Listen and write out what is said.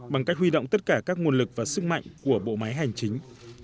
bằng cách huy động tất cả các nguồn lực và sức mạnh của bộ máy hành chính